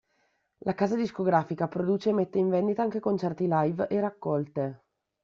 La casa discografica produce e mette in vendita anche concerti live e raccolte.